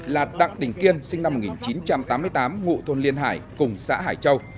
là đặng đình kiên sinh năm một nghìn chín trăm tám mươi tám ngụ thôn liên hải cùng xã hải châu